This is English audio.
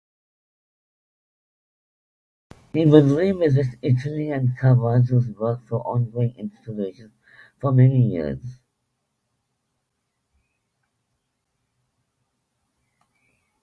He would revisit Italy and Caravaggio's work for on-going inspiration for many years.